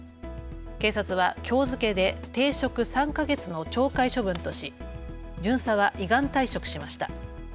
警察はきょう付けで停職３か月の懲戒処分とし巡査は依願退職しました。